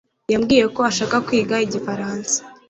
yambwiye ko ashaka kwiga igifaransa